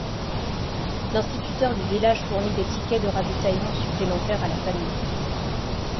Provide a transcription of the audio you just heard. L'instituteur du village fournit des tickets de ravitaillement supplémentaires à la famille.